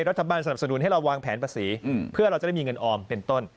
รัฐบาลสนับสนุนให้เราวางแผนภาษีเพื่อเราจะได้มีเงินออมเป็นต้น